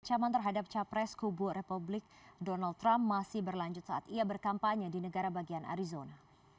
ancaman terhadap capres kubu republik donald trump masih berlanjut saat ia berkampanye di negara bagian arizona